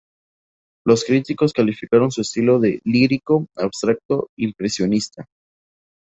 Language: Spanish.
Los críticos calificaron su estilo de "lírico abstracto impresionista".